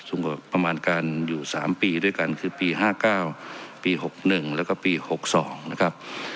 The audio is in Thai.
ประมาณการอยู่๓ปีด้วยกันคือปี๕๙ปี๖๑แล้วก็ปี๖๒นะครับ